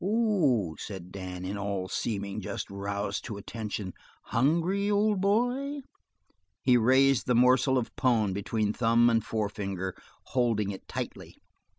"Oh," said Dan, in all seeming just roused to attention, "hungry, old boy?" He raised the morsel of "pone" between thumb and forefinger, holding it tightly.